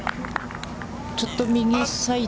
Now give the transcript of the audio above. ちょっと右サイド。